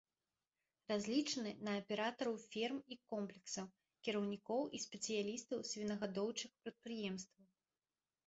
Разлічаны на аператараў ферм і комплексаў, кіраўнікоў і спецыялістаў свінагадоўчых прадпрыемстваў.